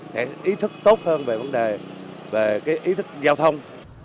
sẽ ý thức tốt hơn về vấn đề về cái ý thức giao thông